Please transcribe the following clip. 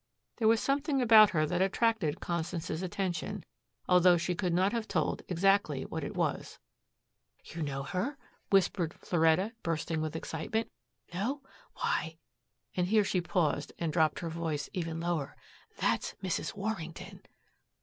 There was something about her that attracted Constance's attention, although she could not have told exactly what it was. "You know her?" whispered Floretta, bursting with excitement. "No? Why, " and here she paused and dropped her voice even lower, "that's Mrs. Warrington."